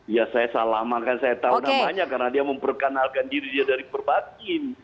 ya saya salah makan saya tahu namanya karena dia memperkenalkan diri dia dari perbakin